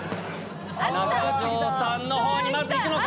中条さんのほうにまず行くのか？